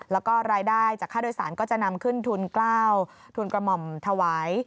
แล้วก็รายได้จากค่าโดยสารก็จะนำขึ้นทุน๙ทุนกระหม่อมถวาย